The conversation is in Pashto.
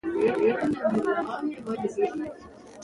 عطايي د پښتو د متلونو او مقالو راټولونه کړې ده.